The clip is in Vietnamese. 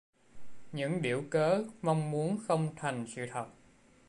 Những điểu kớ mong muốn không thành sự thật